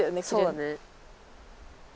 そうだね。